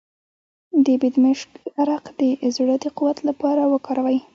د بیدمشک عرق د زړه د قوت لپاره وکاروئ